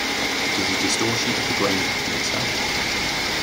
It is a distortion of the grain pattern itself.